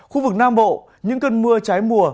khu vực nam bộ những cơn mưa trái mùa